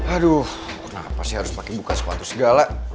aduh kenapa sih harus pake buka skuatu segala